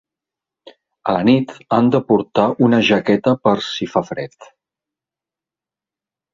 A la nit han de portar una jaqueta per si fa fred.